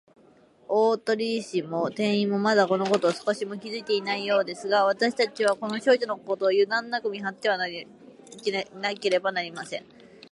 大鳥氏も店員も、まだ、このことを少しも気づいていないようですが、わたしたちは、この少女の行動を、ゆだんなく見はっていなければなりません。